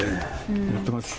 やってます。